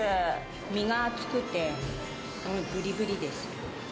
身が厚くてぶりぶりです。